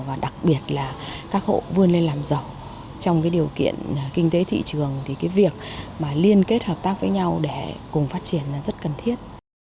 và đặc biệt là các hộ vươn lên làm giàu trong cái điều kiện kinh tế thị trường thì cái việc mà liên kết hợp tác với nhau để cùng phát triển là rất cần thiết